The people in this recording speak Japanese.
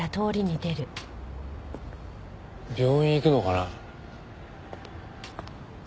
病院行くのかな。